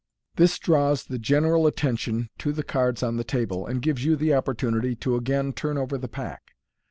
This draws the general attention to the cards on the table, and gives you the opportunity to again turn over the pack.